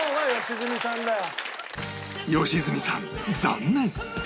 良純さん残念！